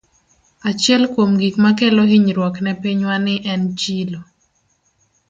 Achiel kuom gik makelo hinyruok ne pinywa ni en chilo.